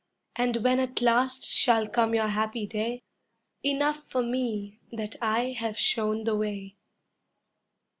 And when at last shall come your happy day, Enough for me that I have shown the way.